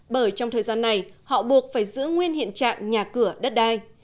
bởi trong thời gian này họ buộc phải giữ nguyên hiện trạng nhà cửa đất đai